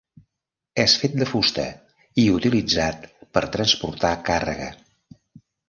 És fet de fusta, i utilitzat per transportar càrrega.